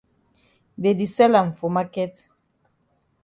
Dey di sell am for maket.